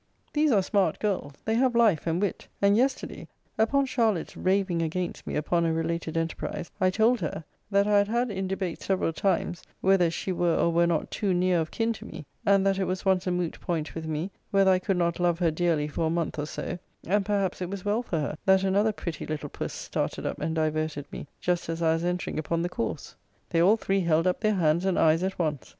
These are smart girls; they have life and wit; and yesterday, upon Charlotte's raving against me upon a related enterprise, I told her, that I had had in debate several times, whether she were or were not too near of kin to me: and that it was once a moot point with me, whether I could not love her dearly for a month or so: and perhaps it was well for her, that another pretty little puss started up, and diverted me, just as I was entering upon the course. They all three held up their hands and eyes at once.